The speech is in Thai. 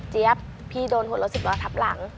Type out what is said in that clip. เจี๊ยบพี่โดนหัวลด๑๐ล้อทับหลัง